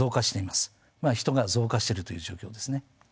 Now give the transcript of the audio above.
まあ人が増加してるという状況ですね。